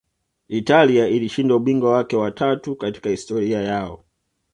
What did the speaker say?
italia ilishinda ubingwa wake wa tatu katika historia yao